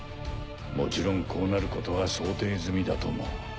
もちろんこうなることは想定済みだとも。